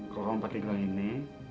kalau kamu pakai gelang ini